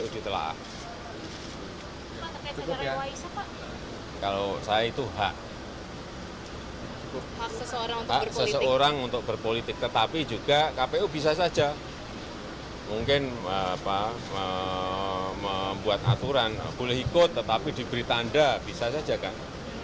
jokowi juga diberi tanda bisa saja kan